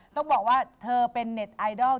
ต้องบอกว่าเธอเป็นเน็ตไอดอล